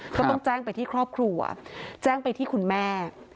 ก็ต้องแจ้งไปที่ครอบครัวแจ้งไปที่คุณแม่